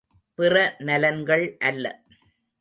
பிற நலன்கள் அல்ல.